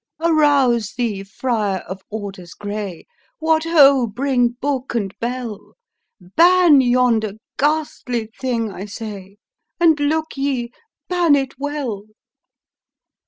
" "Arouse thee, friar of orders grey; What ho! bring book and bell! Ban yonder ghastly thing, I say; And, look ye, ban it well!